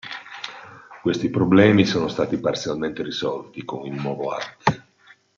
Questi problemi sono stati parzialmente risolti con il nuovo art.